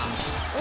お！